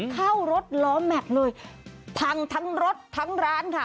เข้ารถล้อแม็กซ์เลยพังทั้งรถทั้งร้านค่ะ